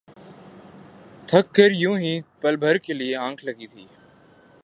تھک کر یوں ہی پل بھر کے لیے آنکھ لگی تھی